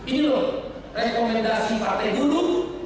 ini lho rekomendasi partai buruh